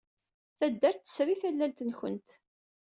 Taddart tesri tallalt-nwent.